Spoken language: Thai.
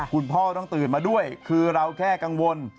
คุณพ่อต้องตื่นมาด้วยคือเราแค่กังวล